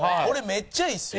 めっちゃいいですよ。